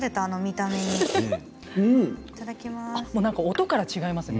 音から違いますね